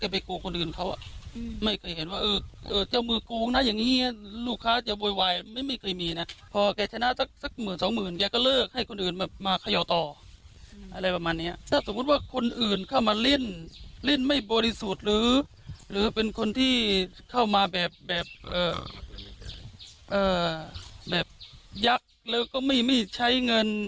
แบบยักษ์แล้วก็ไม่ใช้เงิน